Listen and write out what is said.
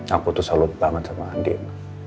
aku tuh salut banget sama andin